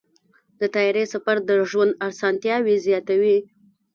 د طیارې سفر د ژوند اسانتیاوې زیاتوي.